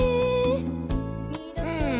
うん！